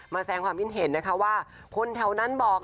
แสงความคิดเห็นนะคะว่าคนแถวนั้นบอก